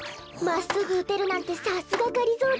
まっすぐうてるなんてさすががりぞーだな。